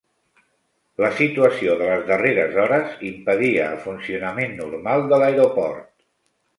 La situació de les darreres hores impedia el funcionament normal de l'aeroport.